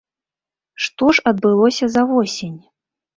Што ж адбылося за восень?